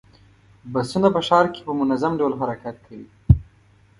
بسونه په ښار کې په منظم ډول حرکت کوي.